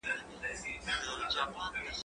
زه پرون کالي مينځل؟!